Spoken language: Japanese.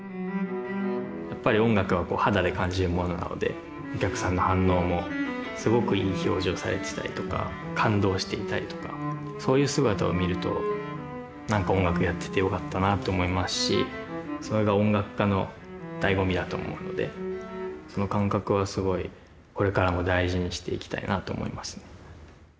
やっぱり音楽は肌で感じるものなのでお客さんの反応もすごくいい表情をされてたりとか感動していたりとかそういう姿を見るとなんか音楽やっててよかったなって思いますしそれが音楽家の醍醐味だと思うのでその感覚はすごいこれからも大事にしていきたいなと思いますね